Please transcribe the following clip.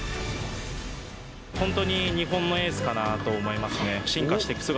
本当に日本のエースかなと思いますね。